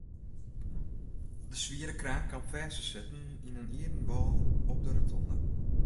De swiere kraan kaam fêst te sitten yn in ierden wâl op de rotonde.